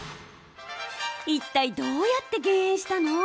いったいどうやって減塩したの？